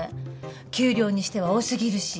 給料にしては多すぎるし。